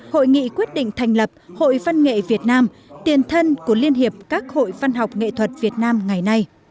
hội nghị quyết định thành lập hội văn nghệ việt nam tiền thân của liên hiệp các hội văn học nghệ thuật việt nam ngày nay